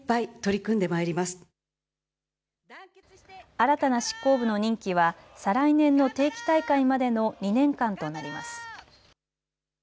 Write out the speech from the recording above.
新たな執行部の任期は再来年の定期大会までの２年間となります。